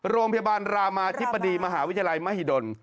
โรงพยาบาลรามาธิบดีมหาวิทยาลัยมหิดล